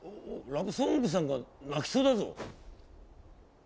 ラブソングさんが鳴きそうだぞ。